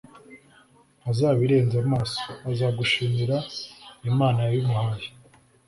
Ntazabirenza amaso, azagushimira imana yabimuhaye